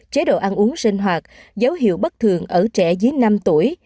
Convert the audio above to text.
chế độ ăn uống sinh hoạt dấu hiệu bất thường ở trẻ dưới năm tuổi